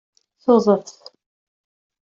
Tuḍeft